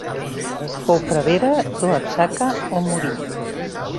Fou prevere d'Oaxaca, on morí.